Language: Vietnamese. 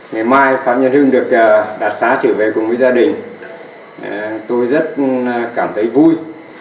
ngày mai phạm nhật hưng được đặc xá trở về cùng với gia đình tôi rất cảm thấy vui